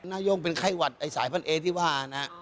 นาย่งเป็นไข้หวัดไอ้สายพันเอที่ว่านะ